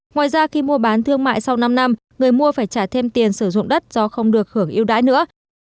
ngoài ra khi mua bán thương mại sau năm năm người mua phải trả thêm tiền sử dụng đất do không được hưởng yêu đãi nữa